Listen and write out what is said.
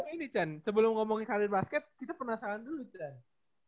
ini ini cen sebelum ngomongin ke adi di basket kita penasaran dulu cen